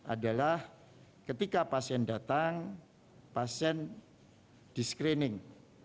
adalah ketika pasien datang pasien diskrining